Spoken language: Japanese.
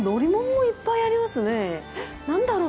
何だろう？